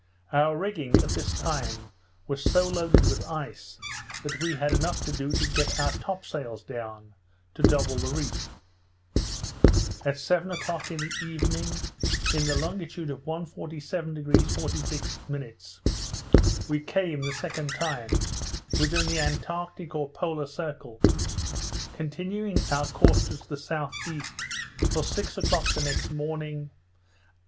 Our rigging, at this time, was so loaded with ice, that we had enough to do to get our topsails down, to double the reef. At seven o'clock in the evening, in the longitude of 147° 46', we came, the second time, within the antarctic or polar circle, continuing our course to the S.E. till six o'clock the next morning.